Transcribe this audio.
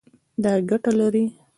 دا ګټه لري